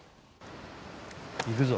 行くぞ。